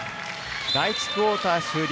第１クオーター終了。